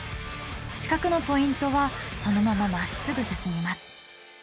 四角のポイントはそのまままっすぐ進みます。